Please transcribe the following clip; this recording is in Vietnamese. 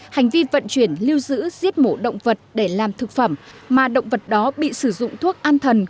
hành vi vận chuyển lưu giữ giết mổ động vật để làm thực phẩm mà động vật đó bị sử dụng thuốc an thần